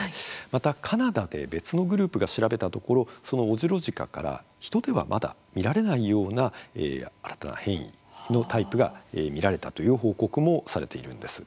また、カナダで別のグループが調べたところそのオジロジカから人ではまだ見られないような新たな変異のタイプが見られたという報告もされているんです。